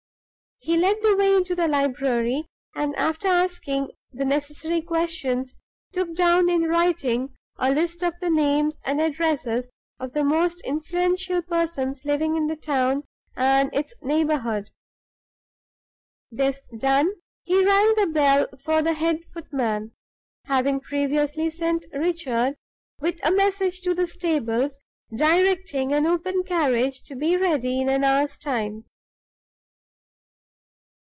He led the way into the library, and, after asking the necessary questions, took down in writing a list of the names and addresses of the most influential persons living in the town and its neighborhood. This done, he rang the bell for the head footman, having previously sent Richard with a message to the stables directing an open carriage to be ready in an hour's time.